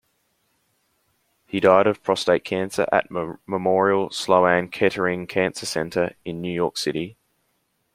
He died of prostate cancer at Memorial Sloan-Kettering Cancer Center in New York City.